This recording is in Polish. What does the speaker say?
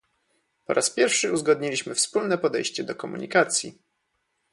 Po raz pierwszy uzgodniliśmy wspólne podejście do komunikacji